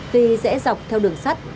tuy dễ dọc theo đường sắt